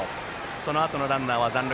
そのあとのランナーは残塁。